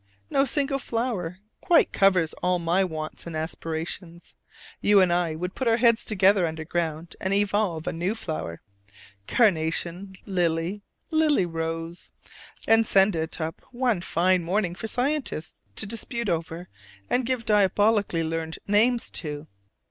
No single flower quite covers all my wants and aspirations. You and I would put our heads together underground and evolve a new flower "carnation, lily, lily, rose" and send it up one fine morning for scientists to dispute over and give diabolical learned names to.